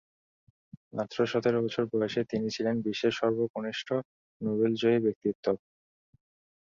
মাত্র সতেরো বছর বয়সে তিনি ছিলেন বিশ্বের সর্বকনিষ্ঠ নোবেলজয়ী ব্যক্তিত্ব।